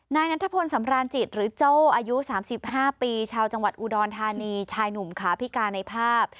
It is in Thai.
นายนัทพลสำราญจิตหรือโจ้อายุ๓๕ปีชาวจังหวัดอุดรธานีชายหนุ่มขาพิการในภาพ